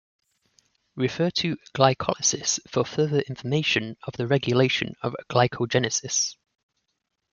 Refer to glycolysis for further information of the regulation of glycogenesis.